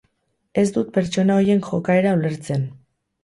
Ez dut pertsona horien jokaera ulertzen.